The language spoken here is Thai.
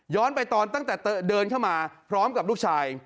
ไปตอนตั้งแต่เดินเข้ามาพร้อมกับลูกชาย